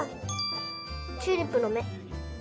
チューリップのめ。